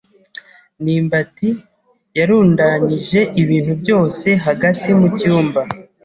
ndimbati yarundanyije ibintu byose hagati mu cyumba.